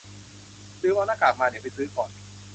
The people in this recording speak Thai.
ลืมเอาหน้ากากมา เดี๋ยวไปซื้อก่อน